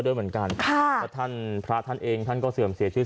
ด้วยเหมือนกันค่ะแล้วท่านพระท่านเองท่านก็เสื่อมเสียชื่อ